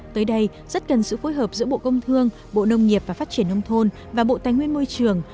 tới đây rất cần sự phối hợp giữa bộ công thương bộ nông nghiệp và phát triển nông thôn và bộ tài nguyên môi trường